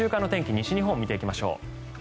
西日本、見ていきましょう。